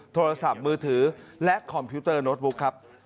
โทรศัพท์มือถือและคอมพิวเตอร์โน้ตบุ๊กครับ